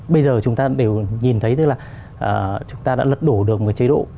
bây giờ chúng ta đều nhìn thấy tức là chúng ta đã lật đổ được một chế độ